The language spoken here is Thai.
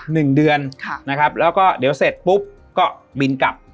หนึ่งเดือนค่ะนะครับแล้วก็เดี๋ยวเสร็จปุ๊บก็บินกลับ